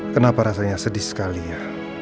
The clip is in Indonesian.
kenapa rasanya sedih sekali ya